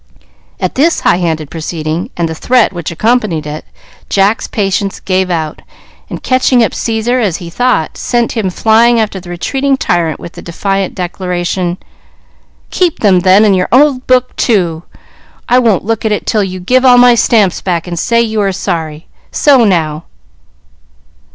At this high handed proceeding, and the threat which accompanied it, Jack's patience gave out, and catching up Caesar, as he thought, sent him flying after the retreating tyrant with the defiant declaration, "Keep them, then, and your old book, too! I won't look at it till you give all my stamps back and say you are sorry. So now!"